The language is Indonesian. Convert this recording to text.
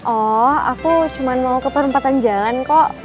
oh aku cuma mau ke perempatan jalan kok